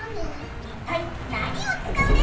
一体何を使うでしょう？